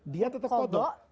dia tetap kodok